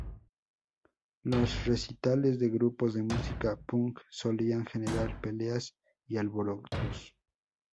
Los recitales de grupos de música Punk solían generar peleas y alborotos.